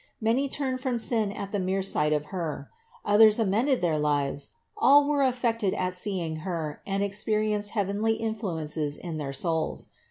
Many turned from sin at the mere sight of Her; others amended their lives; all were affected at seeing Her and experienced heavenly influences in their souls.